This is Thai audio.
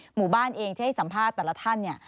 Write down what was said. หมู่บ้านเองจะให้สัมภาษณ์แต่ละท่าน